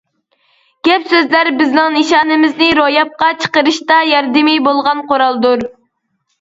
گەپ-سۆزلەر بىزنىڭ نىشانىمىزنى روياپقا چىقىرىشتا ياردىمى بولغان قورالدۇر.